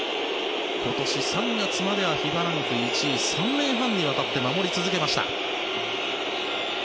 今年３月までＦＩＦＡランク１位を３年半にわたって守り続けました。